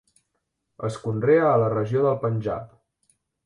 Es conrea a la regió del Panjab.